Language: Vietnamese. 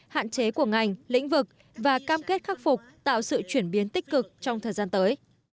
hạn chế của ngành lĩnh vực và cam kết khắc phục tạo sự chuyển biến tích cực trong thời gian tới